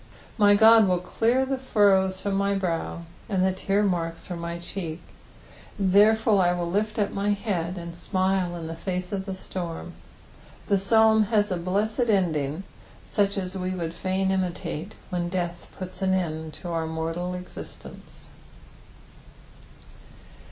Uy Qod will clear the furrows from my brow, and the tear marks from my cheek ; therefore will I lift up my head and smile in the face of the storm. The Psalm has a blessed ending, such as we would fain imUate when death puts an end to our mortal existence.